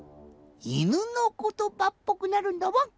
いぬのことばっぽくなるんだワン！